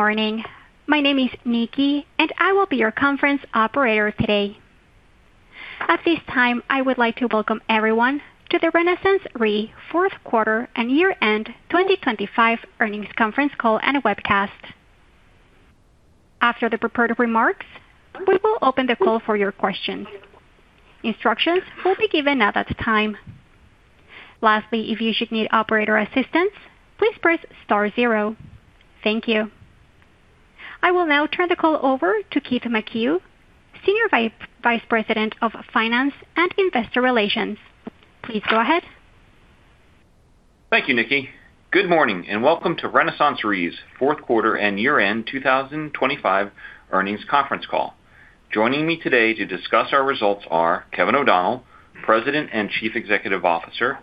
Good morning. My name is Nikki, and I will be your conference operator today. At this time, I would like to welcome everyone to The RenaissanceRe Fourth Quarter and Year-End 2025 Earnings Conference Call and Webcast. After the prepared remarks, we will open the call for your questions. Instructions will be given at that time. Lastly, if you should need operator assistance, please press star zero. Thank you. I will now turn the call over to Keith McCue, Senior Vice President of Finance and Investor Relations. Please go ahead. Thank you, Nikki. Good morning and welcome to RenaissanceRe's Fourth Quarter and Year-End 2025 Earnings Conference Call. Joining me today to discuss our results are Kevin O'Donnell, President and Chief Executive Officer;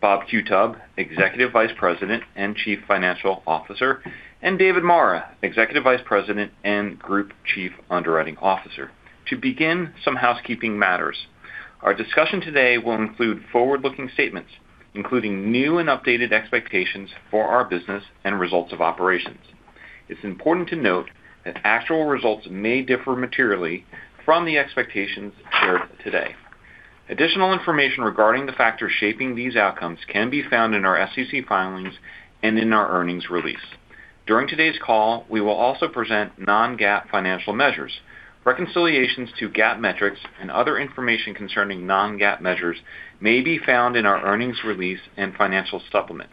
Bob Qutub, Executive Vice President and Chief Financial Officer; and David Marra, Executive Vice President and Group Chief Underwriting Officer. To begin, some housekeeping matters. Our discussion today will include forward-looking statements, including new and updated expectations for our business and results of operations. It's important to note that actual results may differ materially from the expectations shared today. Additional information regarding the factors shaping these outcomes can be found in our SEC filings and in our earnings release. During today's call, we will also present non-GAAP financial measures. Reconciliations to GAAP metrics and other information concerning non-GAAP measures may be found in our earnings release and financial supplement,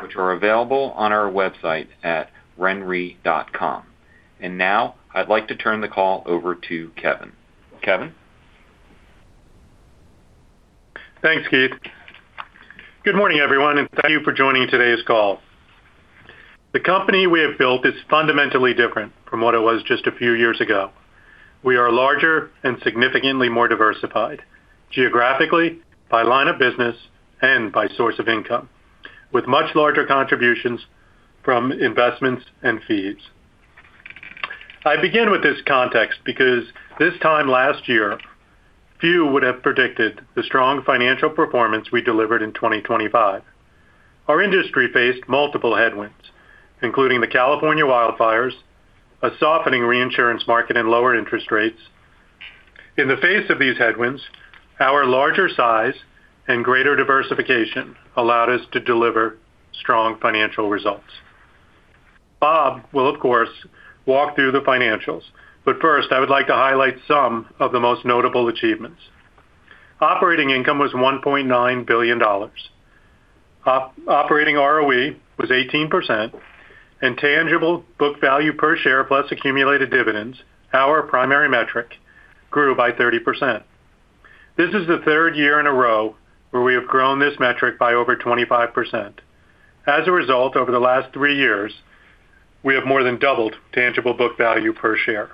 which are available on our website at renre.com. Now, I'd like to turn the call over to Kevin. Kevin? Thanks, Keith. Good morning, everyone, and thank you for joining today's call. The company we have built is fundamentally different from what it was just a few years ago. We are larger and significantly more diversified geographically, by line of business, and by source of income, with much larger contributions from investments and fees. I begin with this context because this time last year, few would have predicted the strong financial performance we delivered in 2025. Our industry faced multiple headwinds, including the California wildfires, a softening reinsurance market, and lower interest rates. In the face of these headwinds, our larger size and greater diversification allowed us to deliver strong financial results. Bob will, of course, walk through the financials, but first, I would like to highlight some of the most notable achievements. Operating income was $1.9 billion. Operating ROE was 18%, and tangible book value per share plus accumulated dividends, our primary metric, grew by 30%. This is the third year in a row where we have grown this metric by over 25%. As a result, over the last three years, we have more than doubled tangible book value per share.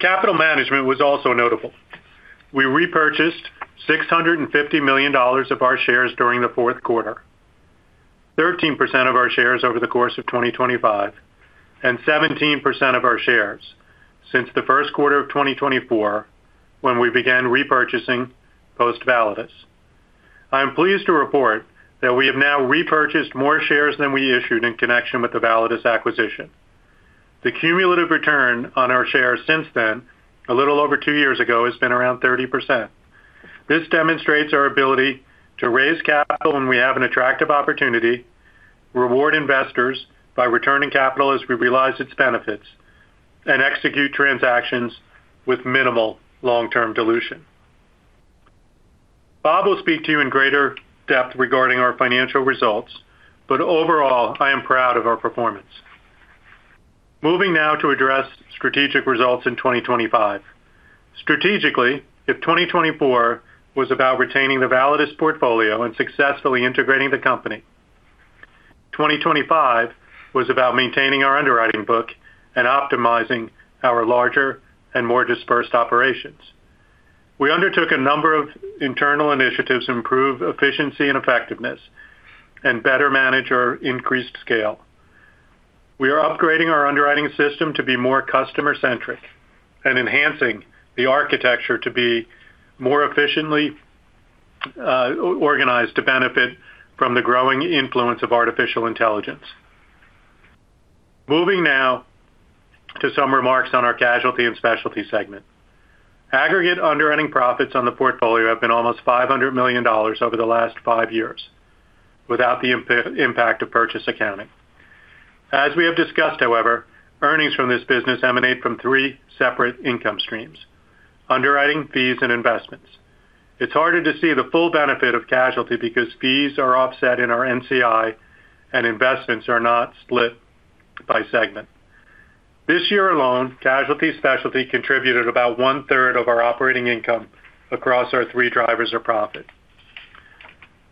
Capital management was also notable. We repurchased $650 million of our shares during the fourth quarter, 13% of our shares over the course of 2025, and 17% of our shares since the first quarter of 2024 when we began repurchasing post-Validus. I am pleased to report that we have now repurchased more shares than we issued in connection with the Validus acquisition. The cumulative return on our shares since then, a little over two years ago, has been around 30%. This demonstrates our ability to raise capital when we have an attractive opportunity, reward investors by returning capital as we realize its benefits, and execute transactions with minimal long-term dilution. Bob will speak to you in greater depth regarding our financial results, but overall, I am proud of our performance. Moving now to address strategic results in 2025. Strategically, if 2024 was about retaining the Validus portfolio and successfully integrating the company, 2025 was about maintaining our underwriting book and optimizing our larger and more dispersed operations. We undertook a number of internal initiatives to improve efficiency and effectiveness and better manage our increased scale. We are upgrading our underwriting system to be more customer-centric and enhancing the architecture to be more efficiently organized to benefit from the growing influence of artificial intelligence. Moving now to some remarks on our casualty and specialty segment. Aggregate underwriting profits on the portfolio have been almost $500 million over the last five years without the impact of purchase accounting. As we have discussed, however, earnings from this business emanate from three separate income streams: underwriting, fees, and investments. It's harder to see the full benefit of casualty because fees are offset in our NCI, and investments are not split by segment. This year alone, casualty specialty contributed about one-third of our operating income across our three drivers of profit.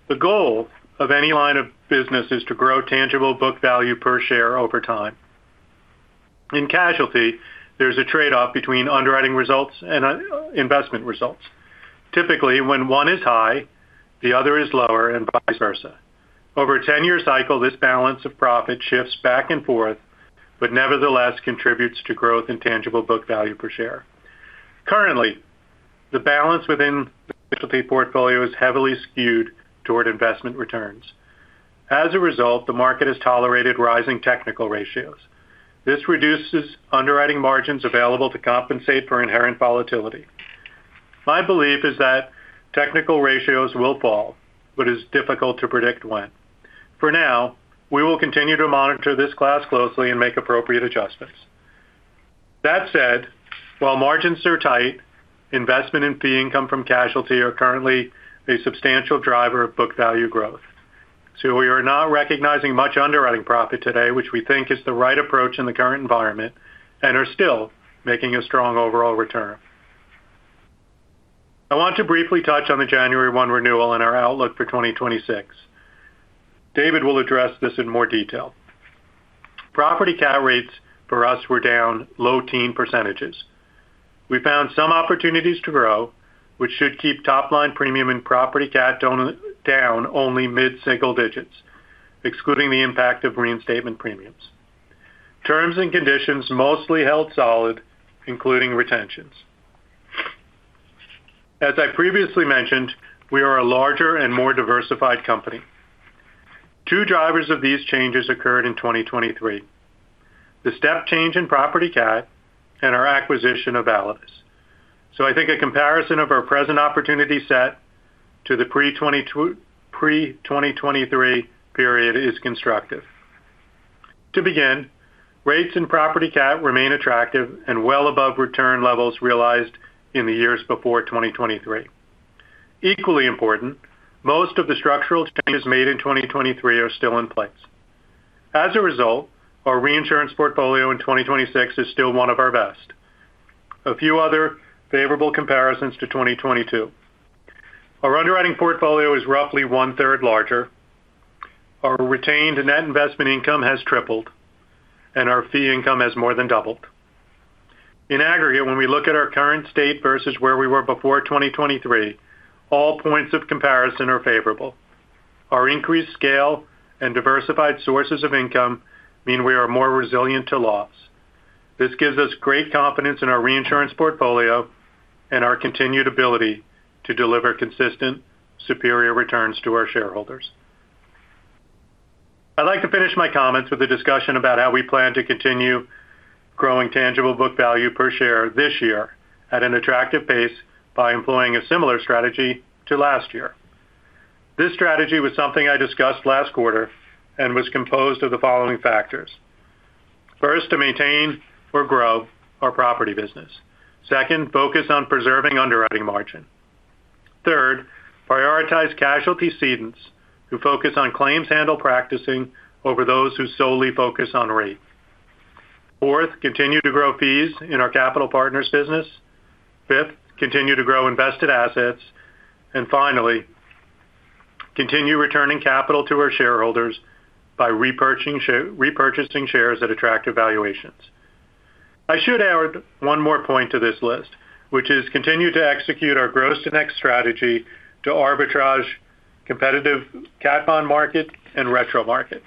The goal of any line of business is to grow tangible book value per share over time. In casualty, there's a trade-off between underwriting results and investment results. Typically, when one is high, the other is lower and vice versa. Over a 10-year cycle, this balance of profit shifts back and forth but nevertheless contributes to growth in tangible book value per share. Currently, the balance within the specialty portfolio is heavily skewed toward investment returns. As a result, the market has tolerated rising technical ratios. This reduces underwriting margins available to compensate for inherent volatility. My belief is that technical ratios will fall, but it's difficult to predict when. For now, we will continue to monitor this class closely and make appropriate adjustments. That said, while margins are tight, investment and fee income from casualty are currently a substantial driver of book value growth. So we are not recognizing much underwriting profit today, which we think is the right approach in the current environment and are still making a strong overall return. I want to briefly touch on the January 1 renewal and our outlook for 2026. David will address this in more detail. Property Cat rates for us were down low-teens%. We found some opportunities to grow, which should keep top-line premium and Property Cat down only mid-single digits, excluding the impact of reinstatement premiums. Terms and conditions mostly held solid, including retentions. As I previously mentioned, we are a larger and more diversified company. Two drivers of these changes occurred in 2023: the step change in Property Cat and our acquisition of Validus. So I think a comparison of our present opportunity set to the pre-2023 period is constructive. To begin, rates in Property Cat remain attractive and well above return levels realized in the years before 2023. Equally important, most of the structural changes made in 2023 are still in place. As a result, our reinsurance portfolio in 2026 is still one of our best. A few other favorable comparisons to 2022: our underwriting portfolio is roughly one-third larger, our retained Net Investment Income has tripled, and our Fee Income has more than doubled. In aggregate, when we look at our current state versus where we were before 2023, all points of comparison are favorable. Our increased scale and diversified sources of income mean we are more resilient to loss. This gives us great confidence in our reinsurance portfolio and our continued ability to deliver consistent, superior returns to our shareholders. I'd like to finish my comments with a discussion about how we plan to continue growing Tangible Book Value per Share this year at an attractive pace by employing a similar strategy to last year. This strategy was something I discussed last quarter and was composed of the following factors. First, to maintain or grow our property business. Second, focus on preserving underwriting margin. Third, prioritize casualty cedents who focus on claims handling practices over those who solely focus on rate. Fourth, continue to grow fees in our Capital Partners business. Fifth, continue to grow invested assets. And finally, continue returning capital to our shareholders by repurchasing shares at attractive valuations. I should add one more point to this list, which is continue to execute our gross-to-net strategy to arbitrage competitive cat bond market and retro markets.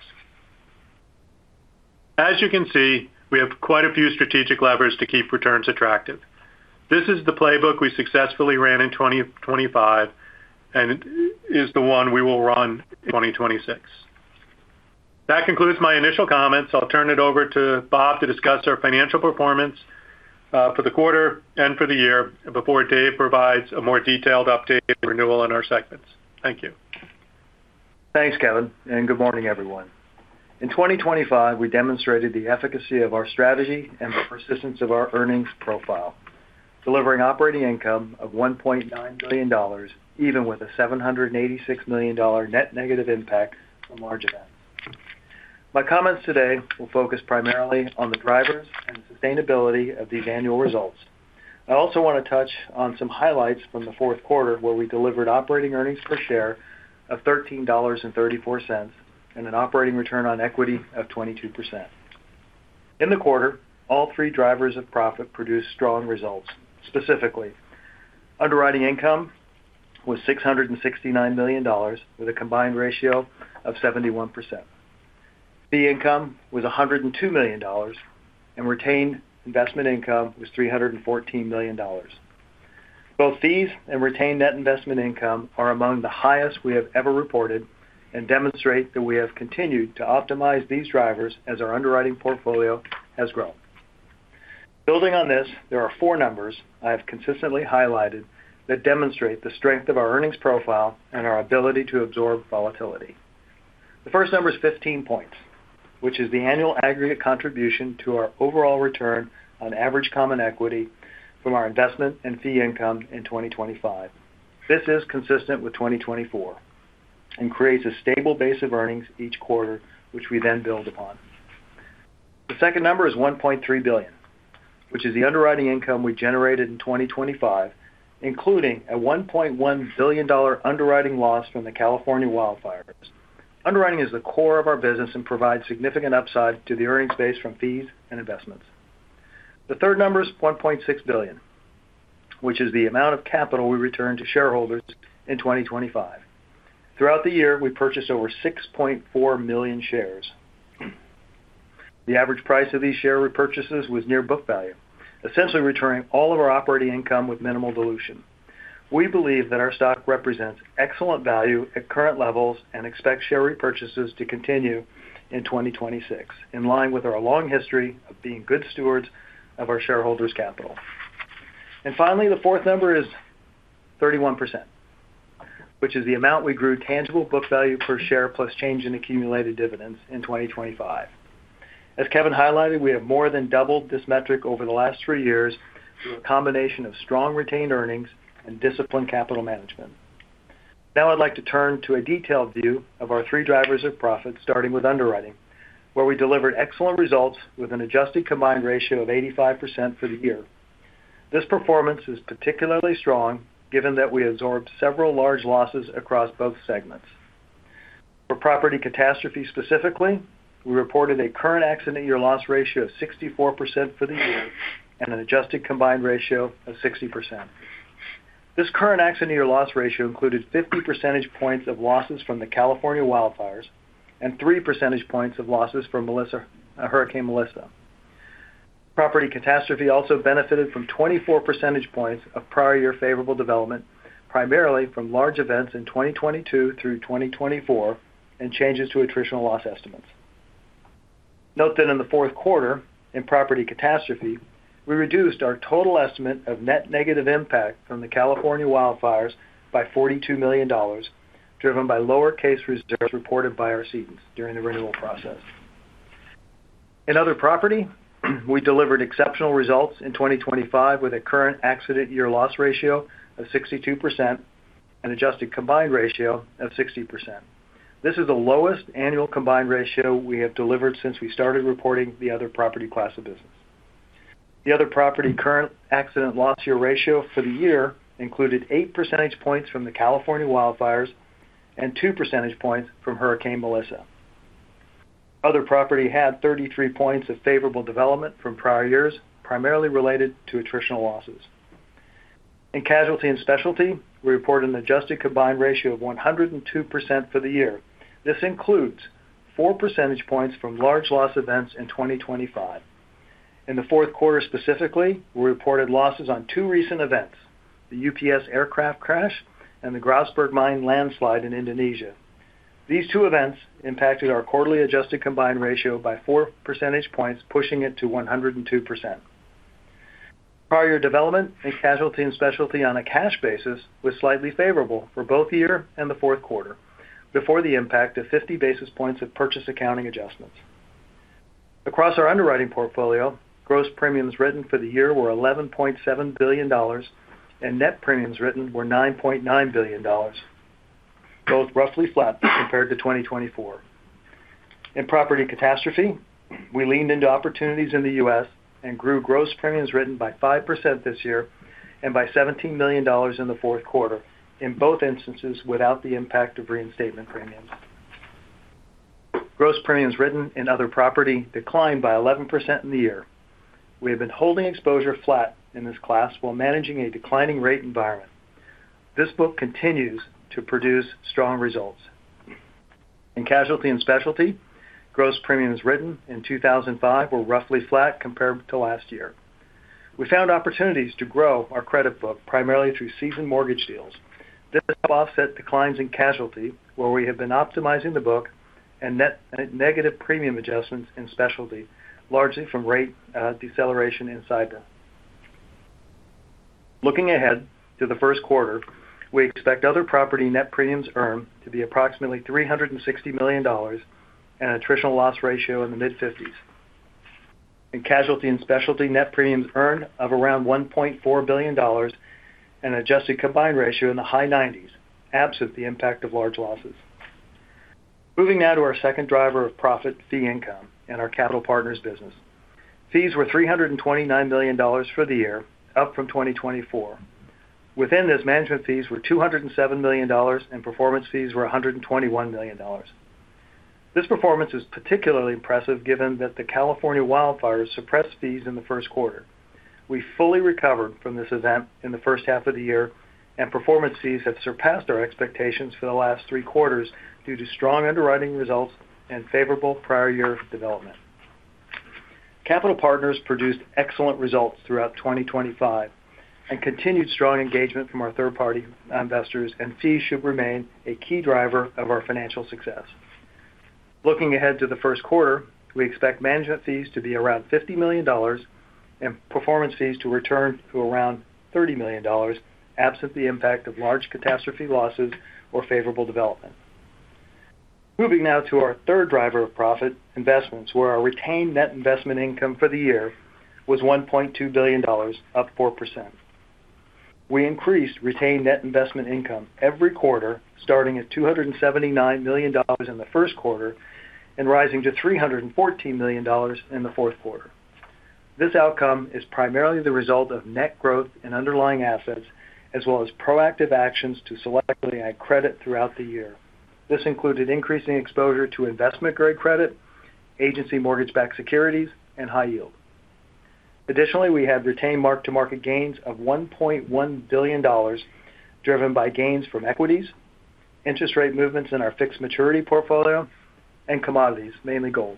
As you can see, we have quite a few strategic levers to keep returns attractive. This is the playbook we successfully ran in 2025 and is the one we will run in 2026. That concludes my initial comments. I'll turn it over to Bob to discuss our financial performance for the quarter and for the year before Dave provides a more detailed update on renewal of our segments. Thank you. Thanks, Kevin, and good morning, everyone. In 2025, we demonstrated the efficacy of our strategy and the persistence of our earnings profile, delivering operating income of $1.9 billion even with a $786 million net negative impact from large events. My comments today will focus primarily on the drivers and sustainability of these annual results. I also want to touch on some highlights from the fourth quarter where we delivered operating earnings per share of $13.34 and an operating return on equity of 22%. In the quarter, all three drivers of profit produced strong results. Specifically, underwriting income was $669 million with a combined ratio of 71%. Fee income was $102 million, and retained investment income was $314 million. Both fees and retained net investment income are among the highest we have ever reported and demonstrate that we have continued to optimize these drivers as our underwriting portfolio has grown. Building on this, there are four numbers I have consistently highlighted that demonstrate the strength of our earnings profile and our ability to absorb volatility. The first number is 15 points, which is the annual aggregate contribution to our overall return on average common equity from our investment and fee income in 2025. This is consistent with 2024 and creates a stable base of earnings each quarter, which we then build upon. The second number is $1.3 billion, which is the underwriting income we generated in 2025, including a $1.1 billion underwriting loss from the California wildfires. Underwriting is the core of our business and provides significant upside to the earnings base from fees and investments. The third number is $1.6 billion, which is the amount of capital we returned to shareholders in 2025. Throughout the year, we purchased over 6.4 million shares. The average price of these share repurchases was near book value, essentially returning all of our operating income with minimal dilution. We believe that our stock represents excellent value at current levels and expect share repurchases to continue in 2026 in line with our long history of being good stewards of our shareholders' capital. Finally, the fourth number is 31%, which is the amount we grew tangible book value per share plus change in accumulated dividends in 2025. As Kevin highlighted, we have more than doubled this metric over the last three years through a combination of strong retained earnings and disciplined capital management. Now I'd like to turn to a detailed view of our three drivers of profit, starting with underwriting, where we delivered excellent results with an adjusted combined ratio of 85% for the year. This performance is particularly strong given that we absorbed several large losses across both segments. For Property Catastrophe specifically, we reported a current accident-year loss ratio of 64% for the year and an adjusted combined ratio of 60%. This current accident-year loss ratio included 50 percentage points of losses from the California wildfires and 3 percentage points of losses from Hurricane Melissa. Property Catastrophe also benefited from 24 percentage points of prior year favorable development, primarily from large events in 2022 through 2024 and changes to attritional loss estimates. Note that in the fourth quarter, in Property Catastrophe, we reduced our total estimate of net negative impact from the California wildfires by $42 million, driven by lower-case reserves reported by our cedents during the renewal process. In Other Property, we delivered exceptional results in 2025 with a current accident-year loss ratio of 62% and adjusted combined ratio of 60%. This is the lowest annual combined ratio we have delivered since we started reporting the Other Property class of business. The Other Property current accident loss year ratio for the year included 8 percentage points from the California wildfires and 2 percentage points from Hurricane Melissa. Other Property had 33 points of favorable development from prior years, primarily related to attritional losses. In Casualty and Specialty, we reported an adjusted combined ratio of 102% for the year. This includes 4 percentage points from large loss events in 2025. In the fourth quarter specifically, we reported losses on two recent events: the UPS aircraft crash and the Grasberg Mine landslide in Indonesia. These two events impacted our quarterly adjusted combined ratio by 4 percentage points, pushing it to 102%. Prior year development in casualty and specialty on a cash basis was slightly favorable for both the year and the fourth quarter, before the impact of 50 basis points of purchase accounting adjustments. Across our underwriting portfolio, gross premiums written for the year were $11.7 billion and net premiums written were $9.9 billion, both roughly flat compared to 2024. In Property Catastrophe, we leaned into opportunities in the U.S. and grew gross premiums written by 5% this year and by $17 million in the fourth quarter, in both instances without the impact of reinstatement premiums. Gross premiums written in Other Property declined by 11% in the year. We have been holding exposure flat in this class while managing a declining rate environment. This book continues to produce strong results. In casualty and specialty, gross premiums written in 2025 were roughly flat compared to last year. We found opportunities to grow our credit book, primarily through seasoned mortgage deals. This helped offset declines in casualty, where we have been optimizing the book, and net negative premium adjustments in specialty, largely from rate deceleration in cyber. Looking ahead to the first quarter, we expect Other Property net premiums earned to be approximately $360 million and attritional loss ratio in the mid-50s. In casualty and specialty, net premiums earned of around $1.4 billion and adjusted combined ratio in the high 90s, absent the impact of large losses. Moving now to our second driver of profit, fee income, in our Capital Partners' business. Fees were $329 million for the year, up from 2024. Within this, management fees were $207 million and performance fees were $121 million. This performance is particularly impressive given that the California wildfires suppressed fees in the first quarter. We fully recovered from this event in the first half of the year, and performance fees have surpassed our expectations for the last three quarters due to strong underwriting results and favorable prior year development. Capital Partners produced excellent results throughout 2025 and continued strong engagement from our third-party investors, and fees should remain a key driver of our financial success. Looking ahead to the first quarter, we expect management fees to be around $50 million and performance fees to return to around $30 million, absent the impact of large catastrophe losses or favorable development. Moving now to our third driver of profit, investments, where our retained net investment income for the year was $1.2 billion, up 4%. We increased retained net investment income every quarter, starting at $279 million in the first quarter and rising to $314 million in the fourth quarter. This outcome is primarily the result of net growth in underlying assets as well as proactive actions to selectively add credit throughout the year. This included increasing exposure to investment-grade credit, agency mortgage-backed securities, and high yield. Additionally, we had retained mark-to-market gains of $1.1 billion, driven by gains from equities, interest rate movements in our fixed maturity portfolio, and commodities, mainly gold.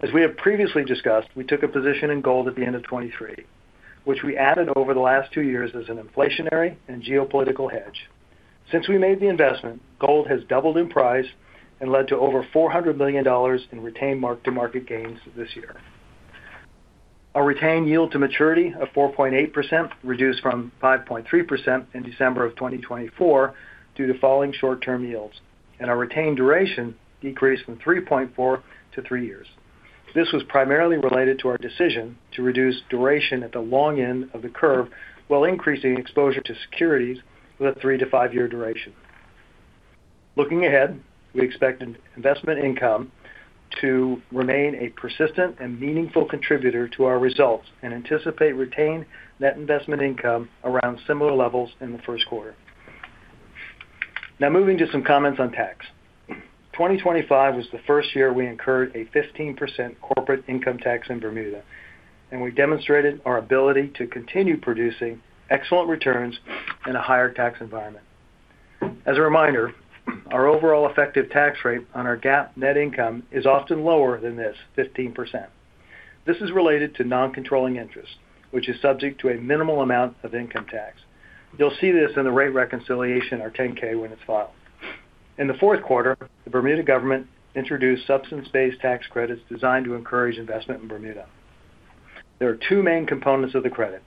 As we have previously discussed, we took a position in gold at the end of 2023, which we added over the last two years as an inflationary and geopolitical hedge. Since we made the investment, gold has doubled in price and led to over $400 million in retained mark-to-market gains this year. Our retained yield to maturity of 4.8% reduced from 5.3% in December of 2024 due to falling short-term yields, and our retained duration decreased from 3.4 to 3 years. This was primarily related to our decision to reduce duration at the long end of the curve while increasing exposure to securities with a 3- to 5-year duration. Looking ahead, we expect investment income to remain a persistent and meaningful contributor to our results and anticipate retained net investment income around similar levels in the first quarter. Now moving to some comments on tax. 2025 was the first year we incurred a 15% corporate income tax in Bermuda, and we demonstrated our ability to continue producing excellent returns in a higher tax environment. As a reminder, our overall effective tax rate on our GAAP net income is often lower than this 15%. This is related to non-controlling interest, which is subject to a minimal amount of income tax. You'll see this in the rate reconciliation, our 10-K, when it's filed. In the fourth quarter, the Bermuda government introduced substance-based tax credits designed to encourage investment in Bermuda. There are two main components of the credit: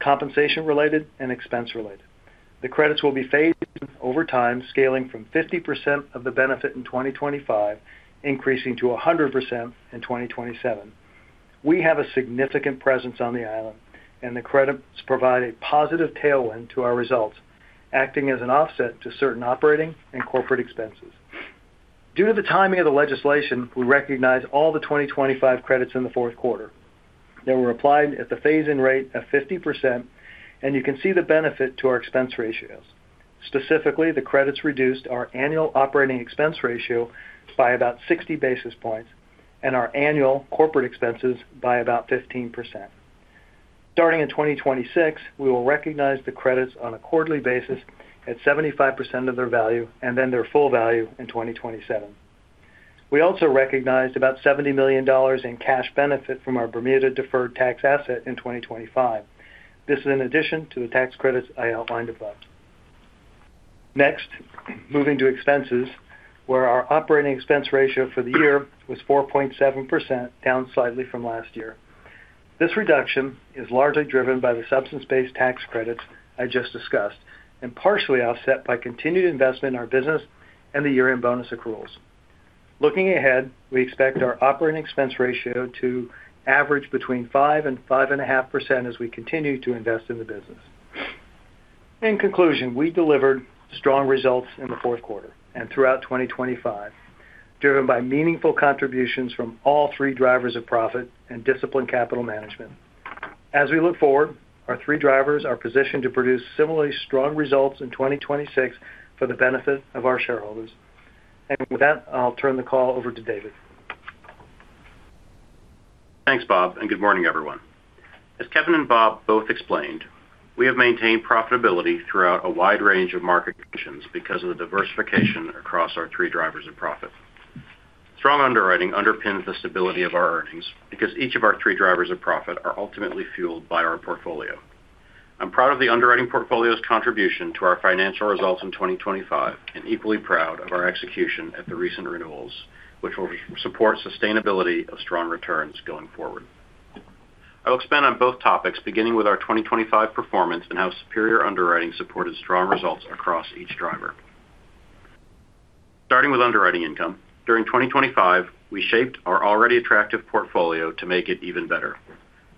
compensation-related and expense-related. The credits will be phased over time, scaling from 50% of the benefit in 2025, increasing to 100% in 2027. We have a significant presence on the island, and the credits provide a positive tailwind to our results, acting as an offset to certain operating and corporate expenses. Due to the timing of the legislation, we recognize all the 2025 credits in the fourth quarter. They were applied at the phasing rate of 50%, and you can see the benefit to our expense ratios. Specifically, the credits reduced our annual operating expense ratio by about 60 basis points and our annual corporate expenses by about 15%. Starting in 2026, we will recognize the credits on a quarterly basis at 75% of their value and then their full value in 2027. We also recognized about $70 million in cash benefit from our Bermuda deferred tax asset in 2025. This is in addition to the tax credits I outlined above. Next, moving to expenses, where our operating expense ratio for the year was 4.7%, down slightly from last year. This reduction is largely driven by the substance-based tax credits I just discussed and partially offset by continued investment in our business and the year-end bonus accruals. Looking ahead, we expect our operating expense ratio to average between 5%-5.5% as we continue to invest in the business. In conclusion, we delivered strong results in the fourth quarter and throughout 2025, driven by meaningful contributions from all three drivers of profit and disciplined capital management. As we look forward, our three drivers are positioned to produce similarly strong results in 2026 for the benefit of our shareholders. With that, I'll turn the call over to David. Thanks, Bob, and good morning, everyone. As Kevin and Bob both explained, we have maintained profitability throughout a wide range of market conditions because of the diversification across our three drivers of profit. Strong underwriting underpins the stability of our earnings because each of our three drivers of profit are ultimately fueled by our portfolio. I'm proud of the underwriting portfolio's contribution to our financial results in 2025 and equally proud of our execution at the recent renewals, which will support sustainability of strong returns going forward. I will expand on both topics, beginning with our 2025 performance and how superior underwriting supported strong results across each driver. Starting with underwriting income, during 2025, we shaped our already attractive portfolio to make it even better: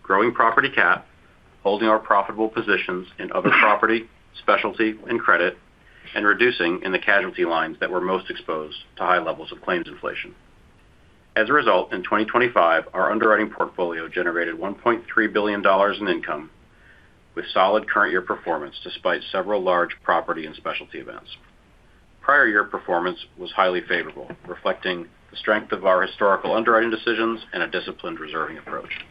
growing Property Cat, holding our profitable positions in Other Property, specialty, and credit, and reducing in the casualty lines that were most exposed to high levels of claims inflation. As a result, in 2025, our underwriting portfolio generated $1.3 billion in income, with solid current year performance despite several large property and specialty events. Prior year performance was highly favorable, reflecting the strength of our historical underwriting decisions and a disciplined reserving approach.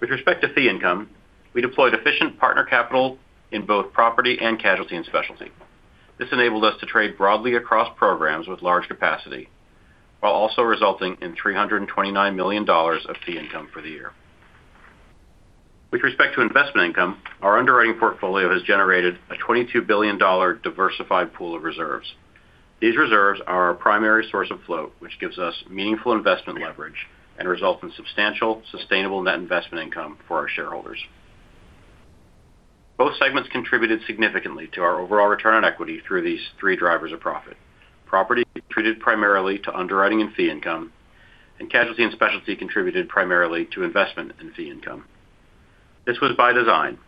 With respect to fee income, we deployed efficient partner capital in both property and casualty and specialty. This enabled us to trade broadly across programs with large capacity, while also resulting in $329 million of fee income for the year. With respect to investment income, our underwriting portfolio has generated a $22 billion diversified pool of reserves. These reserves are our primary source of float, which gives us meaningful investment leverage and results in substantial, sustainable net investment income for our shareholders. Both segments contributed significantly to our overall return on equity through these three drivers of profit: property contributed primarily to underwriting and fee income, and casualty and specialty contributed primarily to investment and fee income. This was by design,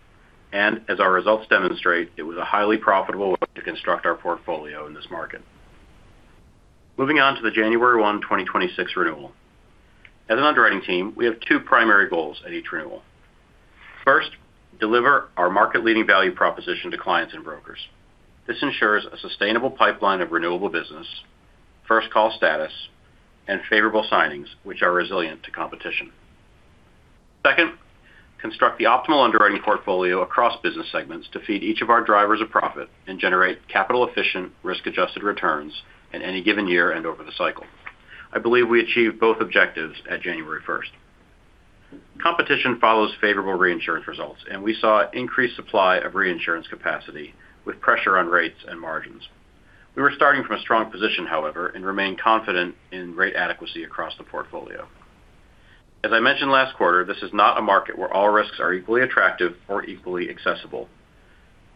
and as our results demonstrate, it was a highly profitable way to construct our portfolio in this market. Moving on to the January 1, 2026, renewal. As an underwriting team, we have two primary goals at each renewal. First, deliver our market-leading value proposition to clients and brokers. This ensures a sustainable pipeline of renewable business, first call status, and favorable signings, which are resilient to competition. Second, construct the optimal underwriting portfolio across business segments to feed each of our drivers of profit and generate capital-efficient, risk-adjusted returns in any given year and over the cycle. I believe we achieved both objectives at January 1. Competition follows favorable reinsurance results, and we saw increased supply of reinsurance capacity with pressure on rates and margins. We were starting from a strong position, however, and remain confident in rate adequacy across the portfolio. As I mentioned last quarter, this is not a market where all risks are equally attractive or equally accessible.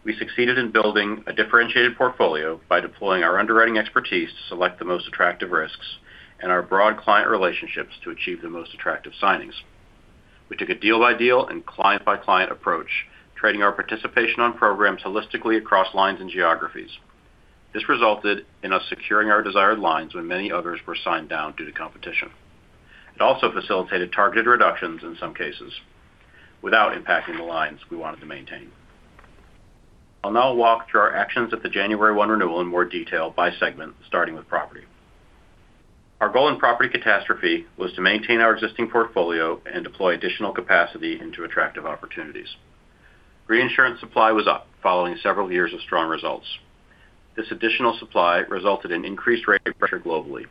We succeeded in building a differentiated portfolio by deploying our underwriting expertise to select the most attractive risks and our broad client relationships to achieve the most attractive signings. We took a deal-by-deal and client-by-client approach, trading our participation on programs holistically across lines and geographies. This resulted in us securing our desired lines when many others were signed down due to competition. It also facilitated targeted reductions in some cases, without impacting the lines we wanted to maintain. I'll now walk through our actions at the January 1 renewal in more detail by segment, starting with property. Our goal in Property Catastrophe was to maintain our existing portfolio and deploy additional capacity into attractive opportunities. Reinsurance supply was up following several years of strong results. This additional supply resulted in increased rate pressure globally,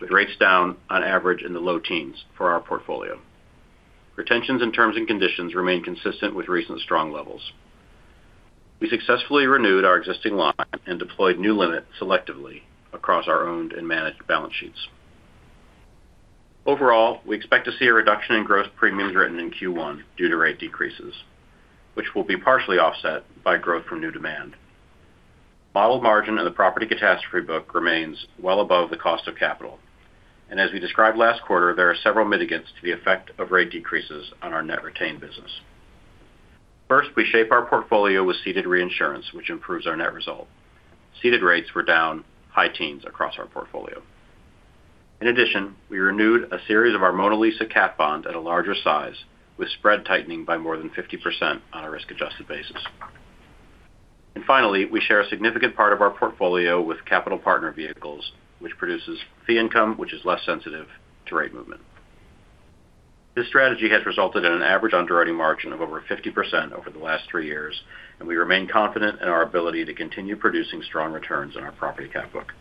with rates down, on average, in the low teens for our portfolio. Retentions in terms and conditions remain consistent with recent strong levels. We successfully renewed our existing line and deployed new limits selectively across our owned and managed balance sheets. Overall, we expect to see a reduction in gross premiums written in Q1 due to rate decreases, which will be partially offset by growth from new demand. Modeled margin in the Property Catastrophe book remains well above the cost of capital, and as we described last quarter, there are several mitigants to the effect of rate decreases on our net retained business. First, we shape our portfolio with ceded reinsurance, which improves our net result. Ceded rates were down, high teens, across our portfolio. In addition, we renewed a series of our Mona Lisa cat bonds at a larger size, with spread tightening by more than 50% on a risk-adjusted basis. And finally, we share a significant part of our portfolio with Capital Partner vehicles, which produces fee income, which is less sensitive to rate movement. This strategy has resulted in an average underwriting margin of over 50% over the last three years, and we remain confident in our ability to continue producing strong returns in our Property Cat book.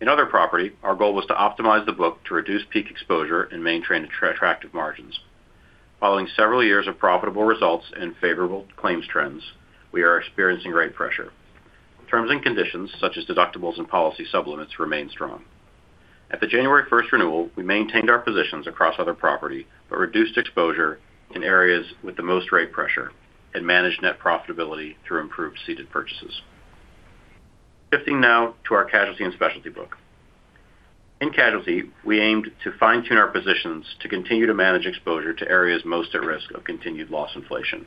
In Other Property, our goal was to optimize the book to reduce peak exposure and maintain attractive margins. Following several years of profitable results and favorable claims trends, we are experiencing rate pressure. Terms and conditions, such as deductibles and policy sublimits, remain strong. At the January 1 renewal, we maintained our positions across Other Property but reduced exposure in areas with the most rate pressure and managed net profitability through improved ceded purchases. Shifting now to our casualty and specialty book. In casualty, we aimed to fine-tune our positions to continue to manage exposure to areas most at risk of continued loss inflation.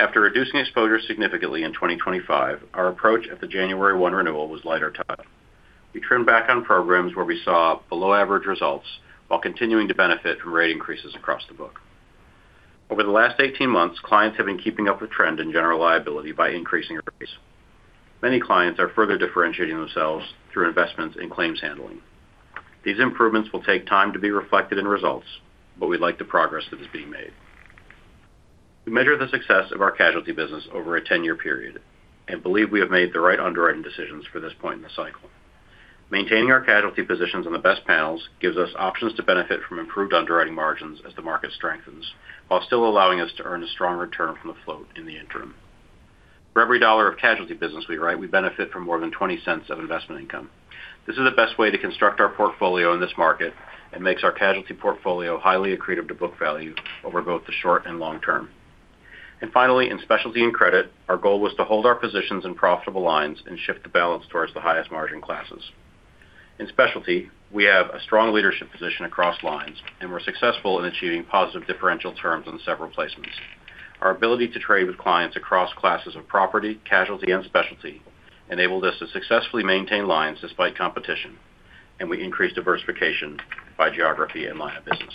After reducing exposure significantly in 2025, our approach at the January 1 renewal was lighter touch. We trimmed back on programs where we saw below-average results while continuing to benefit from rate increases across the book. Over the last 18 months, clients have been keeping up with trend in general liability by increasing rates. Many clients are further differentiating themselves through investments in claims handling. These improvements will take time to be reflected in results, but we'd like the progress that is being made. We measure the success of our casualty business over a 10-year period and believe we have made the right underwriting decisions for this point in the cycle. Maintaining our casualty positions on the best panels gives us options to benefit from improved underwriting margins as the market strengthens, while still allowing us to earn a strong return from the float in the interim. For every $1 of casualty business we write, we benefit from more than $0.20 of investment income. This is the best way to construct our portfolio in this market and makes our casualty portfolio highly accretive to book value over both the short and long term. And finally, in specialty and credit, our goal was to hold our positions in profitable lines and shift the balance towards the highest margin classes. In specialty, we have a strong leadership position across lines, and we're successful in achieving positive differential terms on several placements. Our ability to trade with clients across classes of property, casualty, and specialty enabled us to successfully maintain lines despite competition, and we increased diversification by geography and line of business.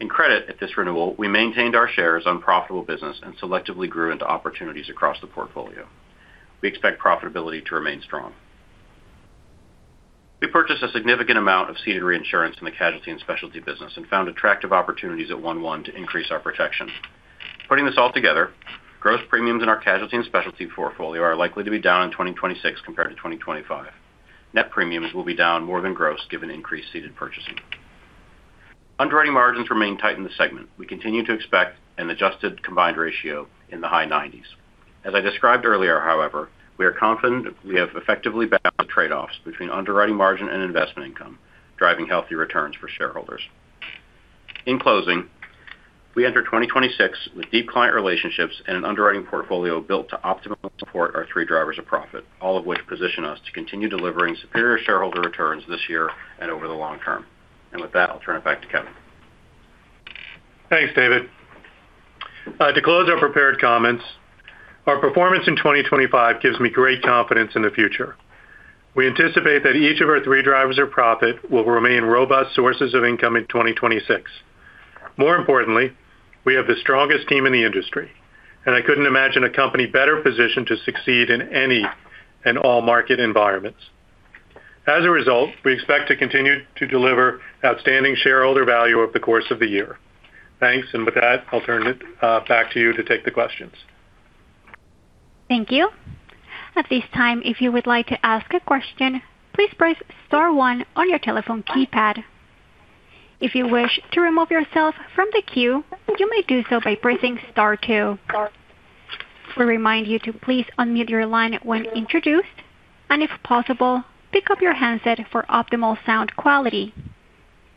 In credit, at this renewal, we maintained our shares on profitable business and selectively grew into opportunities across the portfolio. We expect profitability to remain strong. We purchased a significant amount of ceded reinsurance in the casualty and specialty business and found attractive opportunities at 1:1 to increase our protection. Putting this all together, gross premiums in our casualty and specialty portfolio are likely to be down in 2026 compared to 2025. Net premiums will be down more than gross given increased ceded purchasing. Underwriting margins remain tight in the segment. We continue to expect an adjusted combined ratio in the high 90s%. As I described earlier, however, we are confident we have effectively balanced the trade-offs between underwriting margin and investment income, driving healthy returns for shareholders. In closing, we enter 2026 with deep client relationships and an underwriting portfolio built to optimally support our three drivers of profit, all of which position us to continue delivering superior shareholder returns this year and over the long term. And with that, I'll turn it back to Kevin. Thanks, David. To close our prepared comments, our performance in 2025 gives me great confidence in the future. We anticipate that each of our three drivers of profit will remain robust sources of income in 2026. More importantly, we have the strongest team in the industry, and I couldn't imagine a company better positioned to succeed in any and all market environments. As a result, we expect to continue to deliver outstanding shareholder value over the course of the year. Thanks, and with that, I'll turn it back to you to take the questions. Thank you. At this time, if you would like to ask a question, please press Star 1 on your telephone keypad. If you wish to remove yourself from the queue, you may do so by pressing Star 2. We remind you to please unmute your line when introduced, and if possible, pick up your handset for optimal sound quality.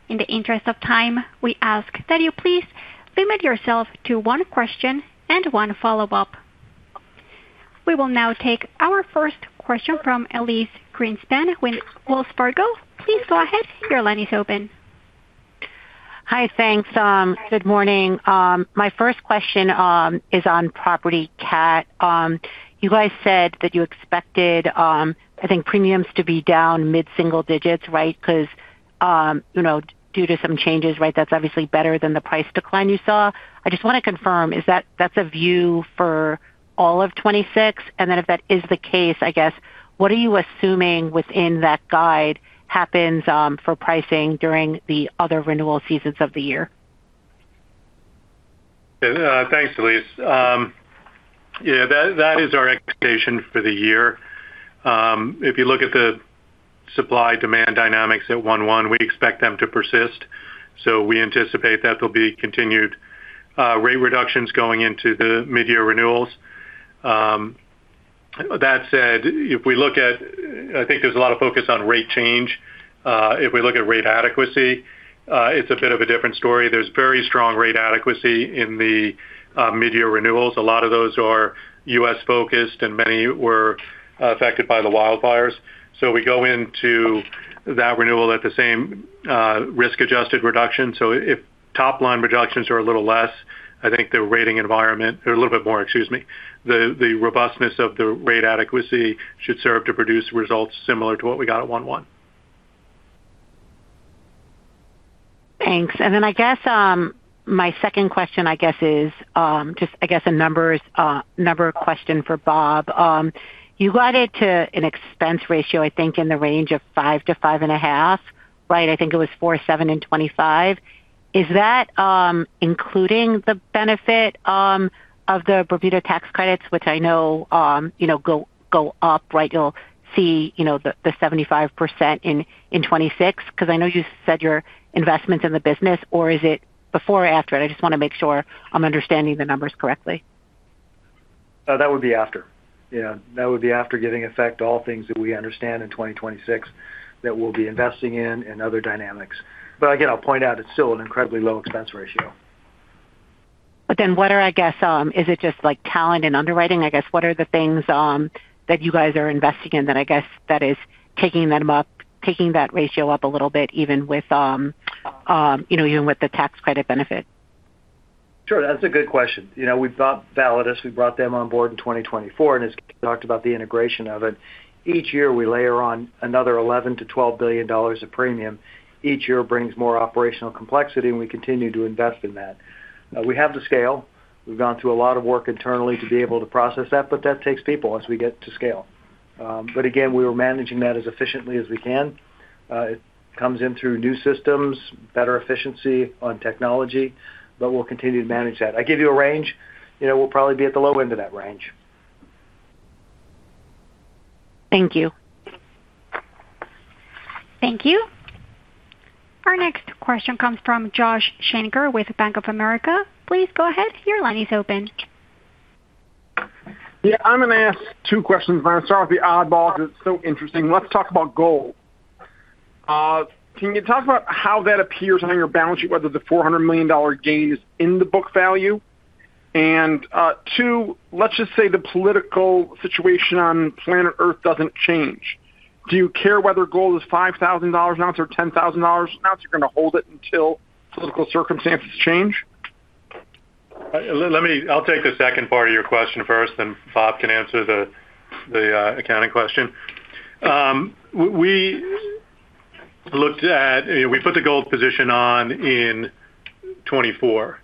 In the interest of time, we ask that you please limit yourself to one question and one follow-up. We will now take our first question from Elyse Greenspan with Wells Fargo. Please go ahead. Your line is open. Hi, thanks. Good morning. My first question is on Property Cat. You guys said that you expected, I think, premiums to be down mid-single digits, right, because due to some changes, right, that's obviously better than the price decline you saw. I just want to confirm, is that a view for all of 2026? And then if that is the case, I guess, what are you assuming within that guide happens for pricing during the other renewal seasons of the year? Thanks, Elyse. Yeah, that is our expectation for the year. If you look at the supply-demand dynamics at 1/1, we expect them to persist. So we anticipate that there'll be continued rate reductions going into the mid-year renewals. That said, if we look at, I think, there's a lot of focus on rate change. If we look at rate adequacy, it's a bit of a different story. There's very strong rate adequacy in the mid-year renewals. A lot of those are U.S.-focused, and many were affected by the wildfires. So we go into that renewal at the same risk-adjusted reduction. So if top-line reductions are a little less, I think the rating environment or a little bit more, excuse me, the robustness of the rate adequacy should serve to produce results similar to what we got at 1/1. Thanks. And then I guess my second question, I guess, is just, I guess, a number question for Bob. You got it to an expense ratio, I think, in the range of 5%-5.5%, right? I think it was 4.7% and 25%. Is that including the benefit of the Bermuda tax credits, which I know go up, right? You'll see the 75% in 2026 because I know you said your investments in the business, or is it before or after it? I just want to make sure I'm understanding the numbers correctly. That would be after. That would be after giving effect to all things that we understand in 2026 that we'll be investing in and other dynamics. But again, I'll point out it's still an incredibly low expense ratio. But then what are, I guess is it just talent and underwriting? I guess what are the things that you guys are investing in that, I guess, that is taking them up, taking that ratio up a little bit even with the tax credit benefit? Sure. That's a good question. We brought Validus. We brought them on board in 2024, and as Kevin talked about, the integration of it. Each year, we layer on another $11 billion-$12 billion of premium. Each year brings more operational complexity, and we continue to invest in that. We have the scale. We've gone through a lot of work internally to be able to process that, but that takes people as we get to scale. But again, we are managing that as efficiently as we can. It comes in through new systems, better efficiency on technology, but we'll continue to manage that. I give you a range. We'll probably be at the low end of that range. Thank you. Thank you. Our next question comes from Josh Shanker with Bank of America. Please go ahead. Your line is open. Yeah, I'm going to ask two questions. I'm going to start with the oddball because it's so interesting. Let's talk about gold. Can you talk about how that appears on your balance sheet, whether the $400 million gain is in the book value? And two, let's just say the political situation on planet Earth doesn't change. Do you care whether gold is $5,000 an ounce or $10,000 an ounce? You're going to hold it until political circumstances change? I'll take the second part of your question first, then Bob can answer the accounting question. We looked at we put the gold position on in 2024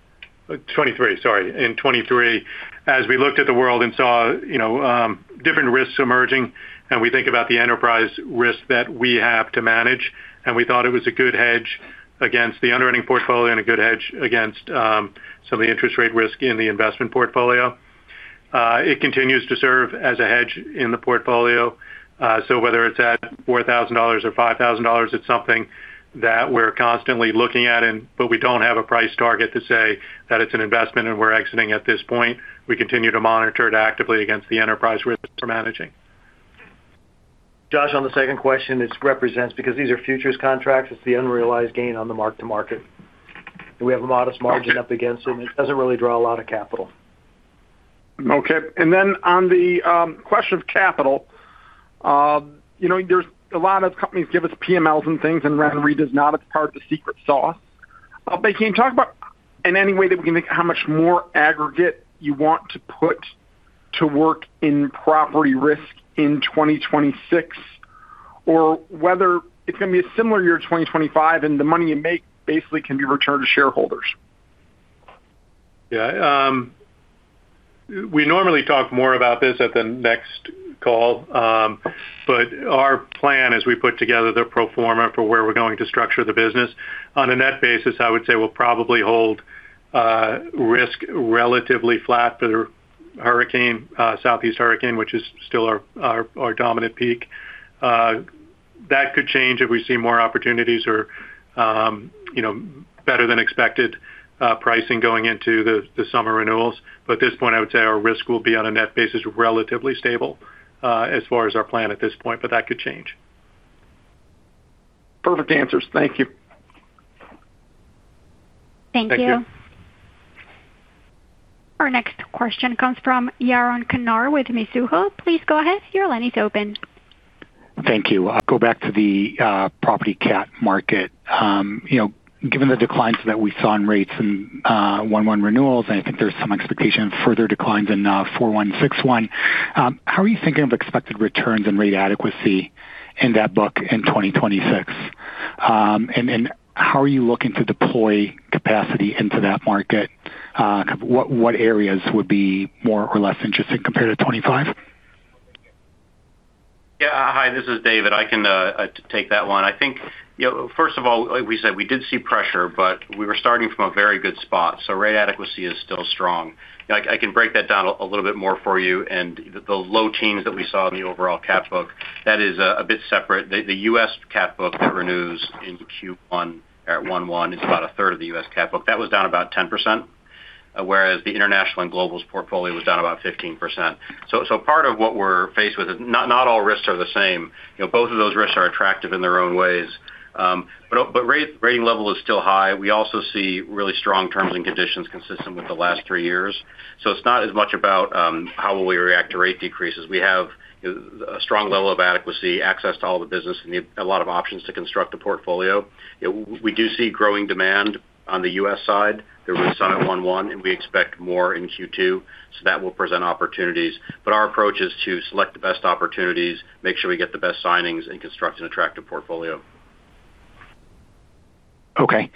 2023, sorry, in 2023 as we looked at the world and saw different risks emerging. And we think about the enterprise risk that we have to manage, and we thought it was a good hedge against the underwriting portfolio and a good hedge against some of the interest rate risk in the investment portfolio. It continues to serve as a hedge in the portfolio. So whether it's at $4,000 or $5,000, it's something that we're constantly looking at, but we don't have a price target to say that it's an investment and we're exiting at this point. We continue to monitor it actively against the enterprise risk we're managing. Josh, on the second question, it represents because these are futures contracts. It's the unrealized gain on the mark-to-market. We have a modest margin up against it, and it doesn't really draw a lot of capital. Okay. And then on the question of capital, there's a lot of companies give us PMLs and things, and RenRe does not. It's part of the secret sauce. But can you talk about in any way that we can think how much more aggregate you want to put to work in property risk in 2026 or whether it's going to be a similar year to 2025 and the money you make basically can be returned to shareholders? Yeah. We normally talk more about this at the next call, but our plan as we put together the pro forma for where we're going to structure the business, on a net basis, I would say we'll probably hold risk relatively flat for the Southeast Hurricane, which is still our dominant peak. That could change if we see more opportunities or better than expected pricing going into the summer renewals. But at this point, I would say our risk will be on a net basis relatively stable as far as our plan at this point, but that could change. Perfect answers. Thank you. Thank you. Thank you. Our next question comes from Yaron Kinar with Mizuho. Please go ahead. Your line is open. Thank you. Go back to the Property Cat market. Given the declines that we saw in rates in 1/1 renewals, and I think there's some expectation of further declines in 4/1 and 6/1, how are you thinking of expected returns and rate adequacy in that book in 2026? And how are you looking to deploy capacity into that market? What areas would be more or less interesting compared to 2025? Yeah. Hi, this is David. I can take that one. I think, first of all, like we said, we did see pressure, but we were starting from a very good spot. So rate adequacy is still strong. I can break that down a little bit more for you. And the low teens that we saw in the overall cat book, that is a bit separate. The U.S. cat book that renews in Q1 at 1/1 is about a third of the U.S. cat book. That was down about 10%, whereas the international and global's portfolio was down about 15%. So part of what we're faced with is not all risks are the same. Both of those risks are attractive in their own ways, but rating level is still high. We also see really strong terms and conditions consistent with the last three years. So it's not as much about how will we react to rate decreases. We have a strong level of adequacy, access to all the business, and a lot of options to construct a portfolio. We do see growing demand on the U.S. side. There was a summit 1/1, and we expect more in Q2. So that will present opportunities. But our approach is to select the best opportunities, make sure we get the best signings, and construct an attractive portfolio. Okay.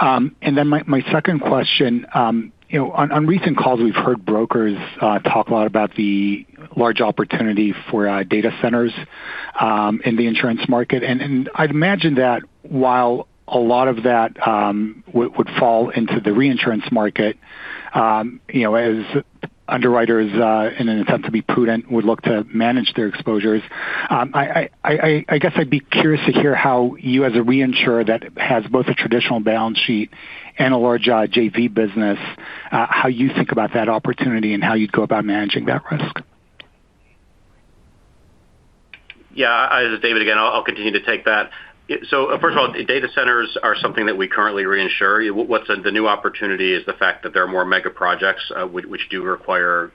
And then my second question, on recent calls, we've heard brokers talk a lot about the large opportunity for data centers in the insurance market. I'd imagine that while a lot of that would fall into the reinsurance market, as underwriters, in an attempt to be prudent, would look to manage their exposures. I guess I'd be curious to hear how you, as a reinsurer that has both a traditional balance sheet and a large JV business, how you think about that opportunity and how you'd go about managing that risk. Yeah. As David, again, I'll continue to take that. So first of all, data centers are something that we currently reinsure. What's the new opportunity is the fact that there are more mega projects, which do require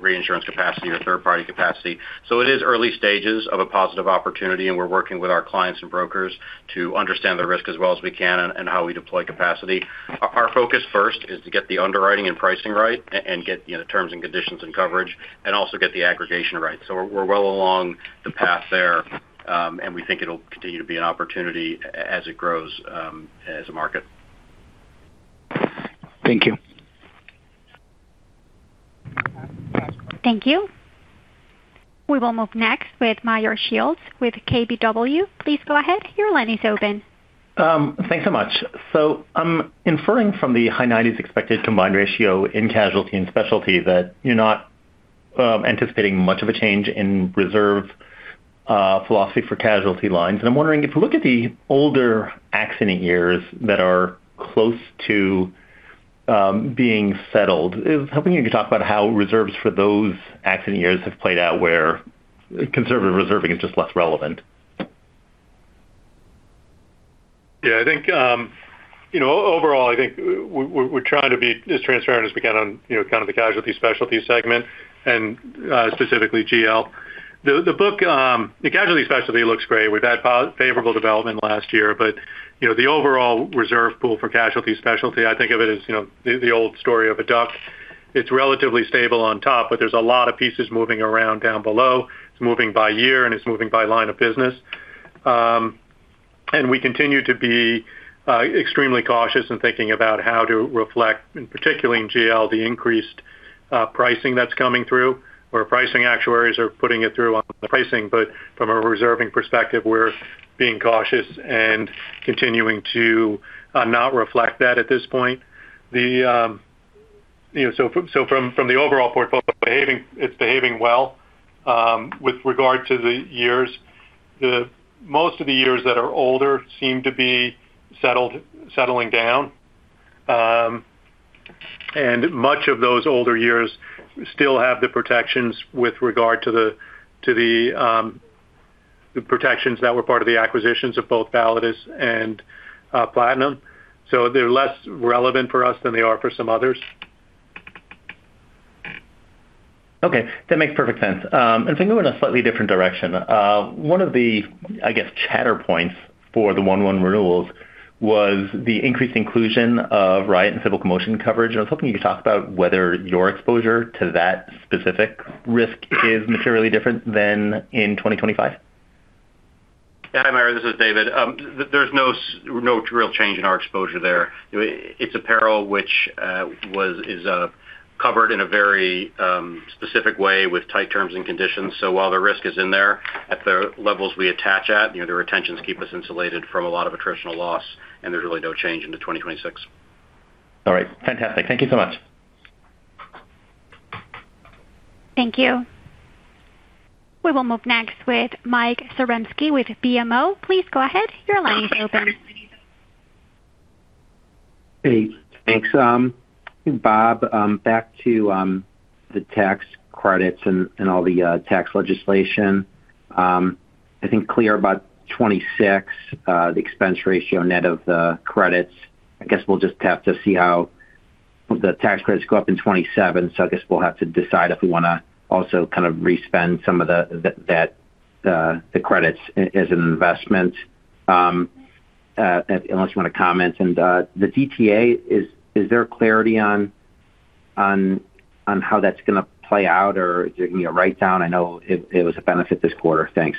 reinsurance capacity or third-party capacity. It is early stages of a positive opportunity, and we're working with our clients and brokers to understand the risk as well as we can and how we deploy capacity. Our focus first is to get the underwriting and pricing right and get the terms and conditions and coverage and also get the aggregation right. So we're well along the path there, and we think it'll continue to be an opportunity as it grows as a market. Thank you. Thank you. We will move next with Meyer Shields with KBW. Please go ahead. Your line is open. Thanks so much. So I'm inferring from the high-90s% expected combined ratio in casualty and specialty that you're not anticipating much of a change in reserve philosophy for casualty lines. And I'm wondering if you look at the older accident years that are close to being settled, if I think you could talk about how reserves for those accident years have played out where conservative reserving is just less relevant. Yeah. Overall, I think we're trying to be as transparent as we can on kind of the casualty-specialty segment and specifically GL. The casualty-specialty looks great. We've had favorable development last year. But the overall reserve pool for casualty-specialty, I think of it as the old story of a duck. It's relatively stable on top, but there's a lot of pieces moving around down below. It's moving by year, and it's moving by line of business. And we continue to be extremely cautious in thinking about how to reflect, particularly in GL, the increased pricing that's coming through or pricing actuaries are putting it through on pricing, but from a reserving perspective, we're being cautious and continuing to not reflect that at this point. So from the overall portfolio, it's behaving well with regard to the years. Most of the years that are older seem to be settling down. And much of those older years still have the protections with regard to the protections that were part of the acquisitions of both Validus and Platinum. So they're less relevant for us than they are for some others. Okay. That makes perfect sense. If I can go in a slightly different direction, one of the, I guess, chatter points for the 1/1 renewals was the increased inclusion of riot and civil commotion coverage. And I was hoping you could talk about whether your exposure to that specific risk is materially different than in 2025. Yeah. Hi, Meyer. This is David. There's no real change in our exposure there. It's a peril which is covered in a very specific way with tight terms and conditions. So while the risk is in there at the levels we attach at, the retentions keep us insulated from a lot of attritional loss, and there's really no change into 2026. All right. Fantastic. Thank you so much. Thank you. We will move next with Mike Zaremski with BMO. Please go ahead. Your line is open. Hey. Thanks. Bob, back to the tax credits and all the tax legislation. I think you're clear about 2026, the expense ratio net of the credits. I guess we'll just have to see how the tax credits go up in 2027. So I guess we'll have to decide if we want to also kind of respend some of the credits as an investment unless you want to comment. And the DTA, is there clarity on how that's going to play out or is there going to be a write-down? I know it was a benefit this quarter. Thanks.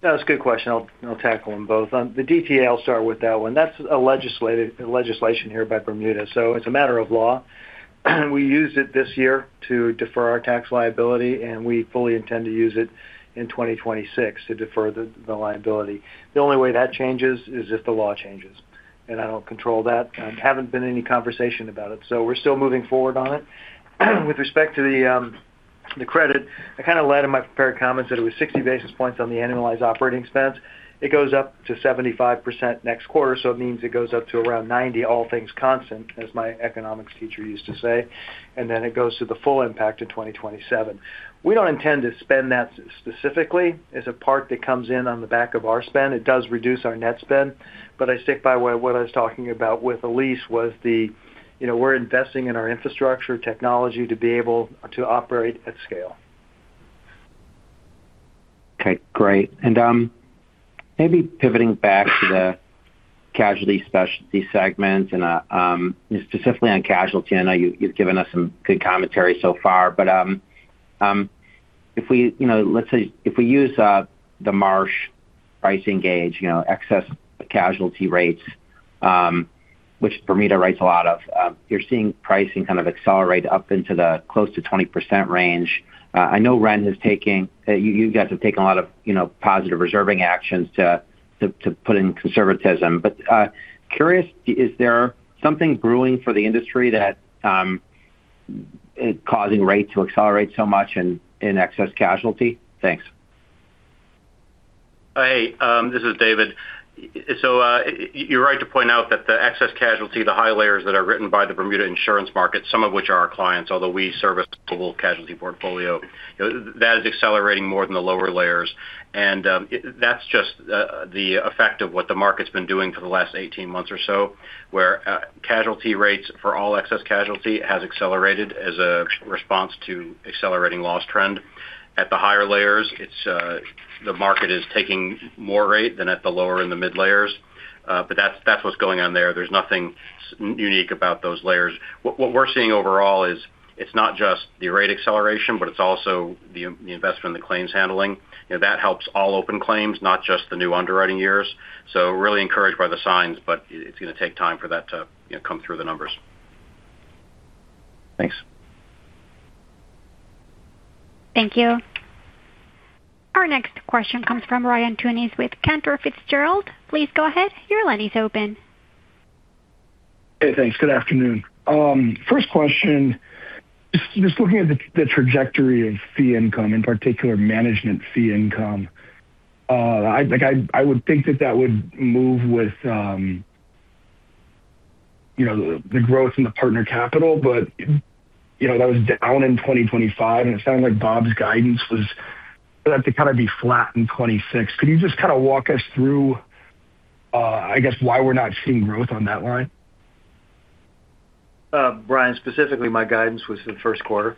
That was a good question. I'll tackle them both. The DTA, I'll start with that one. That's a legislation here by Bermuda. So it's a matter of law. We used it this year to defer our tax liability, and we fully intend to use it in 2026 to defer the liability. The only way that changes is if the law changes. And I don't control that. Haven't been in any conversation about it. So we're still moving forward on it. With respect to the credit, I kind of led in my prepared comments that it was 60 basis points on the annualized operating expense. It goes up to 75% next quarter. So it means it goes up to around 90, all things constant, as my economics teacher used to say. And then it goes to the full impact in 2027. We don't intend to spend that specifically. It's a part that comes in on the back of our spend. It does reduce our net spend. But I stick by what I was talking about with Elyse was we're investing in our infrastructure, technology to be able to operate at scale. Okay. Great. And maybe pivoting back to the casualty-specialty segment and specifically on casualty. I know you've given us some good commentary so far. But let's say if we use the Marsh pricing gauge, excess casualty rates, which Bermuda writes a lot of, you're seeing pricing kind of accelerate up into the close to 20% range. I know Ren has taken you guys have taken a lot of positive reserving actions to put in conservatism. But curious, is there something brewing for the industry that is causing rates to accelerate so much in excess casualty? Thanks. Hi. This is David. So you're right to point out that the excess casualty, the high layers that are written by the Bermuda insurance market, some of which are our clients, although we service a global casualty portfolio, that is accelerating more than the lower layers. And that's just the effect of what the market's been doing for the last 18 months or so where casualty rates for all excess casualty has accelerated as a response to accelerating loss trend. At the higher layers, the market is taking more rate than at the lower and the mid layers. But that's what's going on there. There's nothing unique about those layers. What we're seeing overall is it's not just the rate acceleration, but it's also the investment in the claims handling. That helps all open claims, not just the new underwriting years. So really encouraged by the signs, but it's going to take time for that to come through the numbers. Thanks. Thank you. Our next question comes from Ryan Tunis with Cantor Fitzgerald. Please go ahead. Your line is open. Hey. Thanks. Good afternoon. First question, just looking at the trajectory of fee income, in particular, management fee income, I would think that that would move with the growth in the partner capital. But that was down in 2025, and it sounded like Bob's guidance was for that to kind of be flat in 2026. Could you just kind of walk us through, I guess, why we're not seeing growth on that line? Ryan, specifically, my guidance was the first quarter.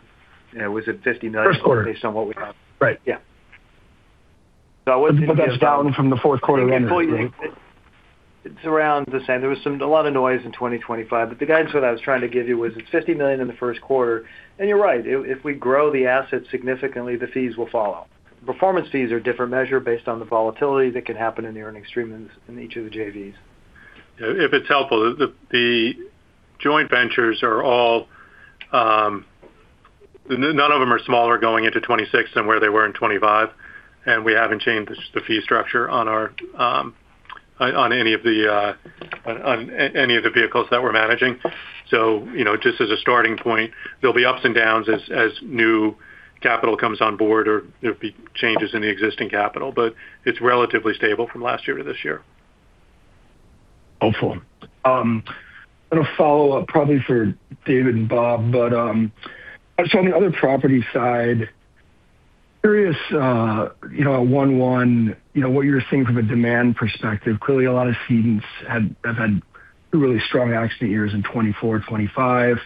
It was at $50 million based on what we have. First quarter. Right. Yeah. So I wasn't even sure. But that's down from the fourth quarter end of 2025. It's around the same. There was a lot of noise in 2025. But the guidance that I was trying to give you was it's $50 million in the first quarter. And you're right. If we grow the assets significantly, the fees will follow. Performance fees are a different measure based on the volatility that can happen in the earnings stream in each of the JVs. Yeah. If it's helpful, the joint ventures are all none of them are smaller going into 2026 than where they were in 2025. And we haven't changed the fee structure on any of the vehicles that we're managing. So just as a starting point, there'll be ups and downs as new capital comes on board or there'll be changes in the existing capital. But it's relatively stable from last year to this year. Helpful. Kind of follow-up probably for David and Bob. But on the Other Property side, I'm curious at 1/1 what you were seeing from a demand perspective. Clearly, a lot of cedents have had 2 really strong accident years in 2024, 2025.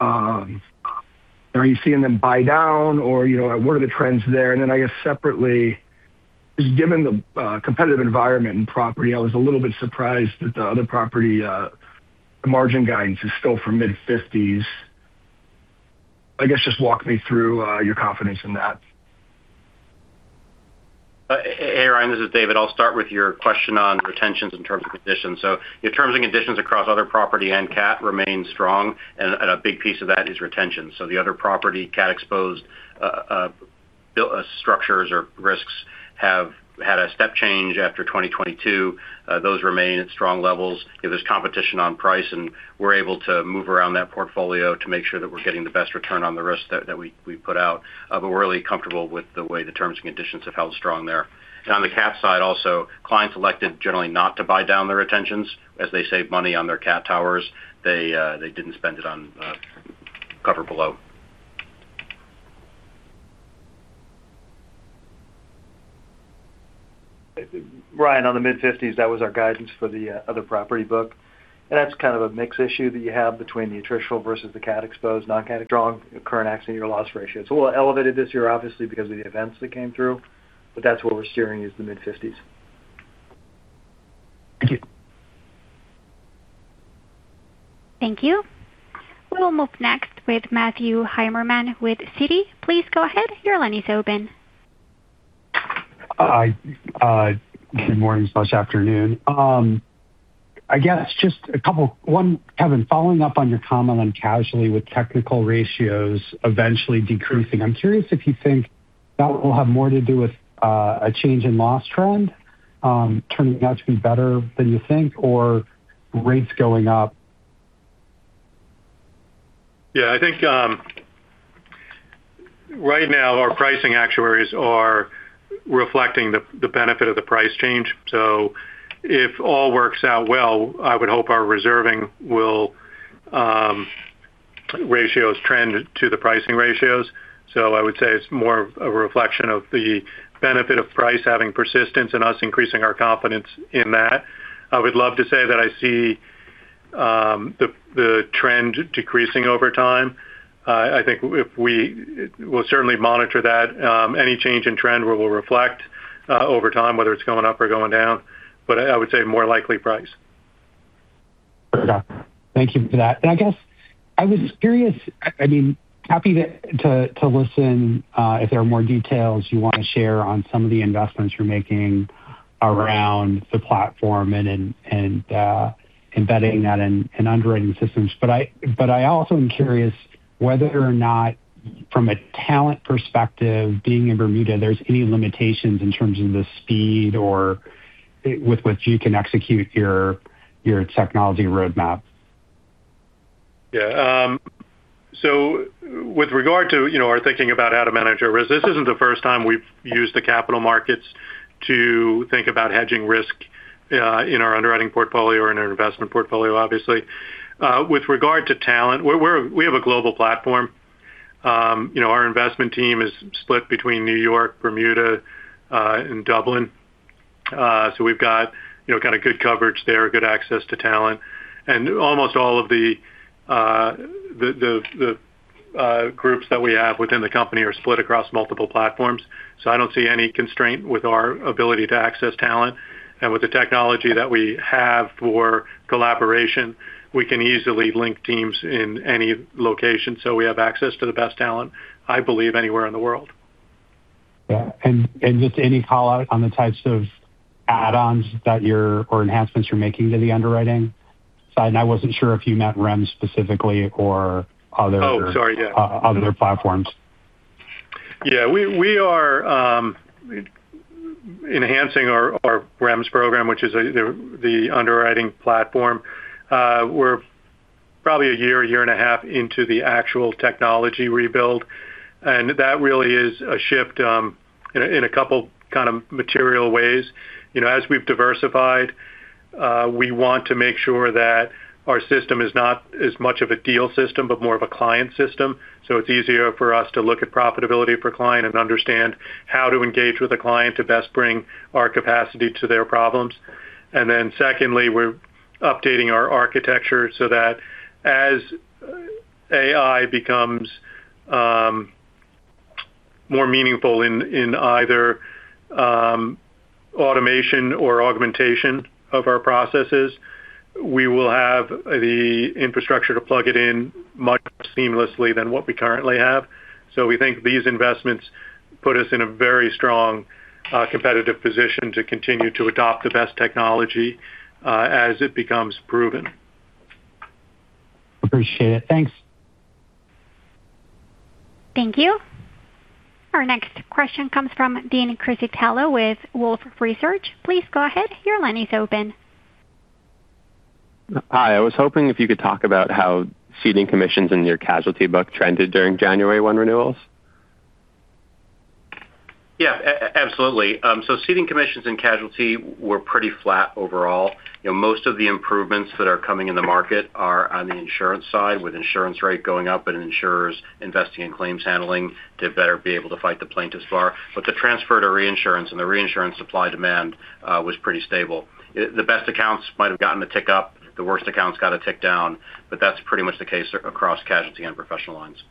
Are you seeing them buy down, or what are the trends there? And then, I guess, separately, just given the competitive environment in property, I was a little bit surprised that the Other Oroperty margin guidance is still for mid-50s. I guess just walk me through your confidence in that. Hey, Ryan. This is David. I'll start with your question on retentions in terms of conditions. So your terms and conditions across Other Property and Cat remain strong, and a big piece of that is retention. So the Other Property Cat-exposed structures or risks have had a step change after 2022. Those remain at strong levels. There's competition on price, and we're able to move around that portfolio to make sure that we're getting the best return on the risk that we put out. But we're really comfortable with the way the terms and conditions have held strong there. And on the Cat side also, clients elected generally not to buy down their retentions as they save money on their Cat towers. They didn't spend it on cover below. Ryan, on the mid-50s, that was our guidance for the Other Property book. And that's kind of a mix issue that you have between the attritional versus the Cat-exposed, non-Cat. Strong current accident year loss ratios. A little elevated this year, obviously, because of the events that came through. But that's where we're steering is the mid-50s. Thank you. Thank you. We will move next with Matthew Heimermann with Citi. Please go ahead. Your line is open. Good morning/afternoon. I guess just a couple one, Kevin, following up on your comment on casualty with technical ratios eventually decreasing. I'm curious if you think that will have more to do with a change in loss trend turning out to be better than you think or rates going up. Yeah. I think right now, our pricing actuaries are reflecting the benefit of the price change. So if all works out well, I would hope our reserving ratios trend to the pricing ratios. So I would say it's more of a reflection of the benefit of price having persistence and us increasing our confidence in that. I would love to say that I see the trend decreasing over time. I think we'll certainly monitor that. Any change in trend will reflect over time whether it's going up or going down. But I would say more likely price. Okay. Thank you for that. And I guess I was curious, I mean, happy to listen if there are more details you want to share on some of the investments you're making around the platform and embedding that in underwriting systems. But I also am curious whether or not, from a talent perspective, being in Bermuda, there's any limitations in terms of the speed or with what you can execute your technology roadmap. Yeah. So with regard to our thinking about how to manage our risk, this isn't the first time we've used the capital markets to think about hedging risk in our underwriting portfolio or in our investment portfolio, obviously. With regard to talent, we have a global platform. Our investment team is split between New York, Bermuda, and Dublin. So we've got kind of good coverage there, good access to talent. Almost all of the groups that we have within the company are split across multiple platforms. So I don't see any constraint with our ability to access talent. With the technology that we have for collaboration, we can easily link teams in any location. So we have access to the best talent, I believe, anywhere in the world. Yeah. Just any call-out on the types of add-ons or enhancements you're making to the underwriting side? I wasn't sure if you meant REMS specifically or other platforms. Oh, sorry. Yeah. Yeah. We are enhancing our REMS program, which is the underwriting platform. We're probably a year, year and a half into the actual technology rebuild. That really is a shift in a couple kind of material ways. As we've diversified, we want to make sure that our system is not as much of a deal system but more of a client system. So it's easier for us to look at profitability for client and understand how to engage with a client to best bring our capacity to their problems. And then secondly, we're updating our architecture so that as AI becomes more meaningful in either automation or augmentation of our processes, we will have the infrastructure to plug it in much seamlessly than what we currently have. So we think these investments put us in a very strong competitive position to continue to adopt the best technology as it becomes proven. Appreciate it. Thanks. Thank you. Our next question comes from Dean Criscitiello with Wolfe Research. Please go ahead. Your line is open. Hi. I was hoping if you could talk about how ceding commissions in your casualty book trended during January 1 renewals. Yeah. Absolutely. So ceding commissions and casualty were pretty flat overall. Most of the improvements that are coming in the market are on the insurance side with insurance rate going up and insurers investing in claims handling to better be able to fight the plaintiff's bar. But the transfer to reinsurance and the reinsurance supply demand was pretty stable. The best accounts might have gotten a tick up. The worst accounts got a tick down. But that's pretty much the case across casualty and professional lines.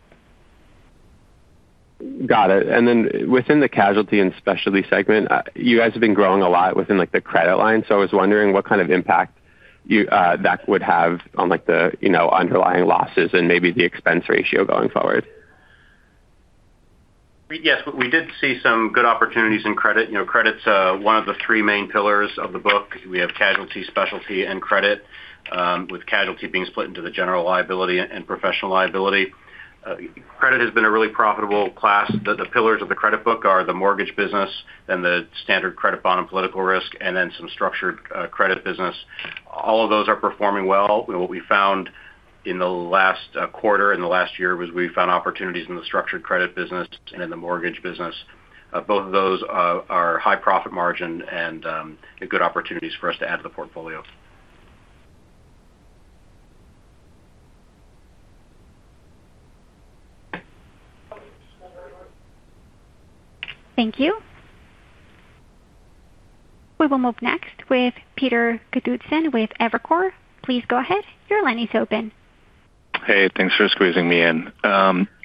Got it. And then within the casualty and specialty segment, you guys have been growing a lot within the credit line. So I was wondering what kind of impact that would have on the underlying losses and maybe the expense ratio going forward. Yes. We did see some good opportunities in credit. Credit's one of the three main pillars of the book. We have casualty, specialty, and credit with casualty being split into the general liability and professional liability. Credit has been a really profitable class. The pillars of the credit book are the mortgage business and the standard credit bond and political risk and then some structured credit business. All of those are performing well. What we found in the last quarter and the last year was we found opportunities in the structured credit business and in the mortgage business. Both of those are high profit margin and good opportunities for us to add to the portfolio. Thank you. We will move next with Peter Qutubsen with Evercore. Please go ahead. Your line is open. Hey. Thanks for squeezing me in.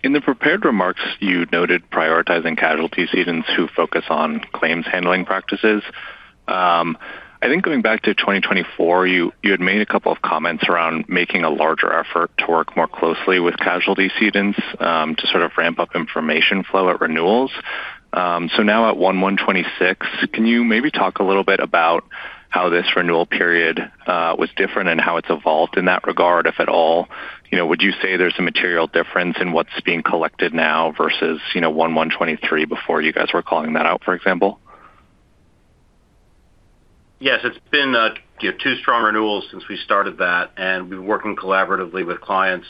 In the prepared remarks, you noted prioritizing casualty cedents who focus on claims handling practices. I think going back to 2024, you had made a couple of comments around making a larger effort to work more closely with casualty cedents to sort of ramp up information flow at renewals. So now at 1/1/2026, can you maybe talk a little bit about how this renewal period was different and how it's evolved in that regard, if at all? Would you say there's a material difference in what's being collected now versus 1/1/2023 before you guys were calling that out, for example? Yes. It's been two strong renewals since we started that, and we've been working collaboratively with clients.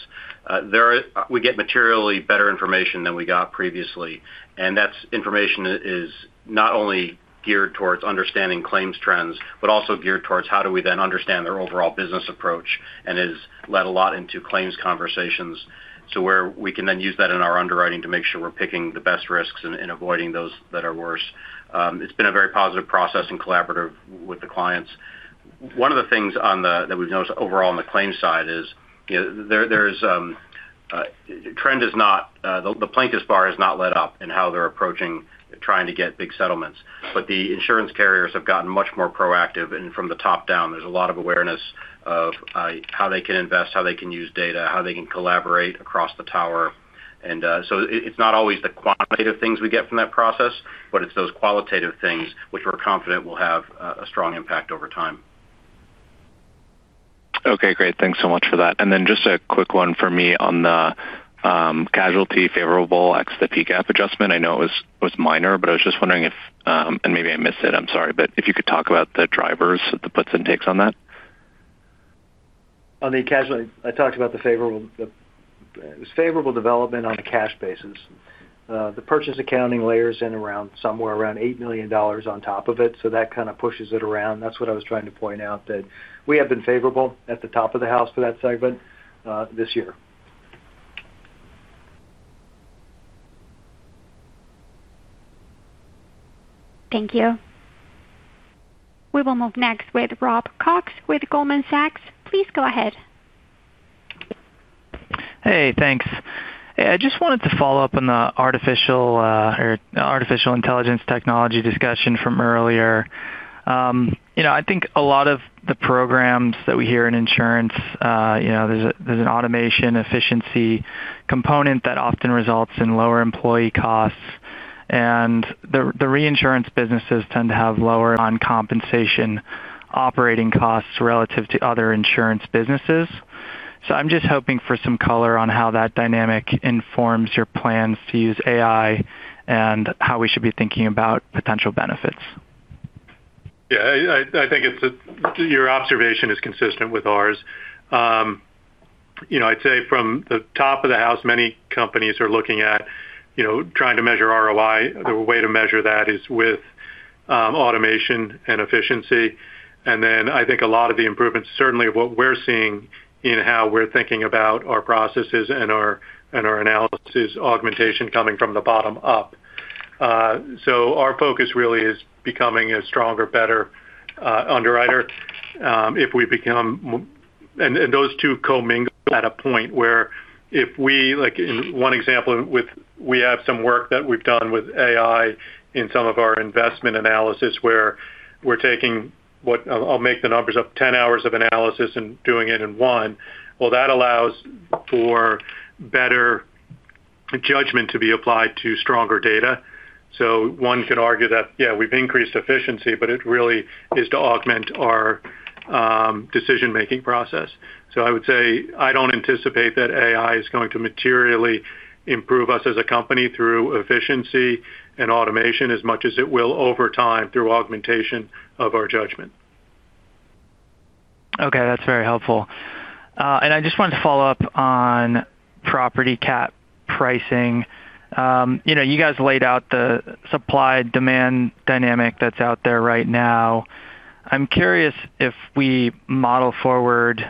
We get materially better information than we got previously. That information is not only geared towards understanding claims trends but also geared towards how do we then understand their overall business approach and has led a lot into claims conversations to where we can then use that in our underwriting to make sure we're picking the best risks and avoiding those that are worse. It's been a very positive process and collaborative with the clients. One of the things that we've noticed overall on the claims side is that the plaintiff's bar has not let up in how they're approaching trying to get big settlements. But the insurance carriers have gotten much more proactive. From the top down, there's a lot of awareness of how they can invest, how they can use data, how they can collaborate across the tower. And so it's not always the quantitative things we get from that process, but it's those qualitative things which we're confident will have a strong impact over time. Okay. Great. Thanks so much for that. And then just a quick one for me on the casualty favorable ex the P-GAAP adjustment. I know it was minor, but I was just wondering if and maybe I missed it. I'm sorry. But if you could talk about the drivers, the puts and takes on that. On the casualty, I talked about the favorable it was favorable development on a cash basis. The purchase accounting layers in somewhere around $8 million on top of it. So that kind of pushes it around. That's what I was trying to point out, that we have been favorable at the top of the house for that segment this year. Thank you. We will move next with Rob Cox with Goldman Sachs. Please go ahead. Hey. Thanks. I just wanted to follow up on the artificial intelligence technology discussion from earlier. I think a lot of the programs that we hear in insurance, there's an automation efficiency component that often results in lower employee costs. And the reinsurance businesses tend to have lower on compensation operating costs relative to other insurance businesses. So I'm just hoping for some color on how that dynamic informs your plans to use AI and how we should be thinking about potential benefits. Yeah. I think your observation is consistent with ours. I'd say from the top of the house, many companies are looking at trying to measure ROI. The way to measure that is with automation and efficiency. And then I think a lot of the improvements, certainly what we're seeing in how we're thinking about our processes and our analysis augmentation coming from the bottom up. So our focus really is becoming a stronger, better underwriter if we become and those two co-mingle at a point where if we in one example, we have some work that we've done with AI in some of our investment analysis where we're taking what I'll make the numbers up, 10 hours of analysis and doing it in 1. Well, that allows for better judgment to be applied to stronger data. So one could argue that, yeah, we've increased efficiency, but it really is to augment our decision-making process. I would say I don't anticipate that AI is going to materially improve us as a company through efficiency and automation as much as it will over time through augmentation of our judgment. Okay. That's very helpful. I just wanted to follow up on Property Cat pricing. You guys laid out the supply-demand dynamic that's out there right now. I'm curious if we model forward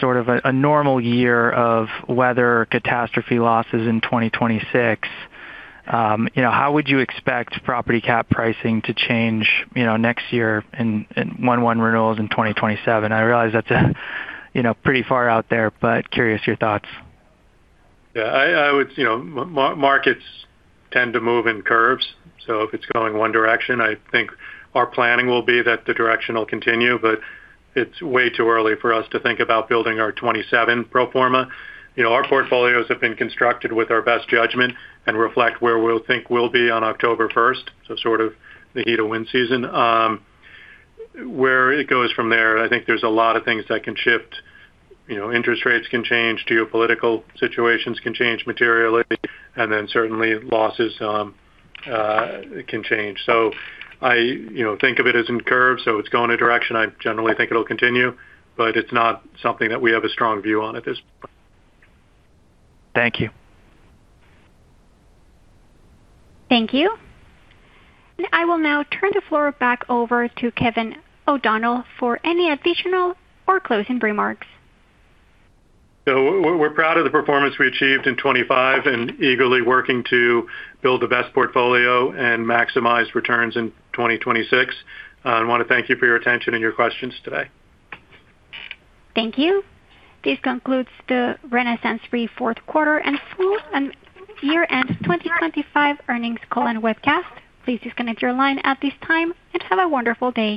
sort of a normal year of weather catastrophe losses in 2026, how would you expect Property Cat pricing to change next year in 1/1 renewals in 2027? I realize that's pretty far out there, but curious your thoughts. Yeah. Markets tend to move in curves. So if it's going one direction, I think our planning will be that the direction will continue. But it's way too early for us to think about building our 2027 pro forma. Our portfolios have been constructed with our best judgment and reflect where we'll think we'll be on October 1st, so sort of the heat of wind season. Where it goes from there, I think there's a lot of things that can shift. Interest rates can change. Geopolitical situations can change materially. And then certainly, losses can change. So I think of it as in curves. So if it's going a direction, I generally think it'll continue. But it's not something that we have a strong view on at this point. Thank you. Thank you. And I will now turn the floor back over to Kevin O'Donnell for any additional or closing remarks. So we're proud of the performance we achieved in 2025 and eagerly working to build the best portfolio and maximize returns in 2026. And want to thank you for your attention and your questions today. Thank you. This concludes the RenaissanceRe Fourth Quarter and Year-End 2025 Earnings Call and Webcast. Please disconnect your line at this time and have a wonderful day.